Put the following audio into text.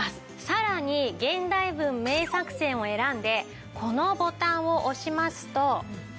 さらに「現代文名作選」を選んでこのボタンを押しますと。